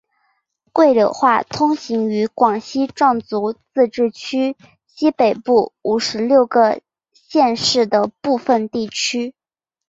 桂柳话通行于广西壮族自治区西北部五十六个县市的部分地区。